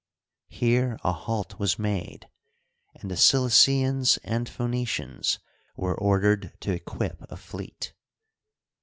Here a halt was made, and the Cilicians and Phoenicians were ordered to equip a fleet.